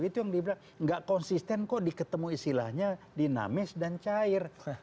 itu yang dibilang nggak konsisten kok diketemu istilahnya dinamis dan cair